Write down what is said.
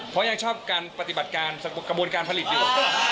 เพราะยังชอบการปฏิบัติการกระบวนการผลิตอยู่